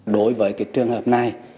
đối với trường hợp này